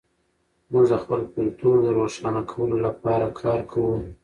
موږ د خپل کلتور د روښانه کولو لپاره کار کوو.